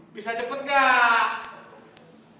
bisa cepet gak